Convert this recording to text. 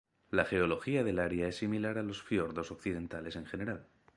La geología del área es similar a los fiordos occidentales en general.